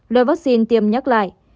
lời vaccine tiêm nhắc lại